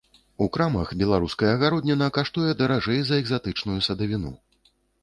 У крамах беларуская гародніна каштуе даражэй за экзатычную садавіну.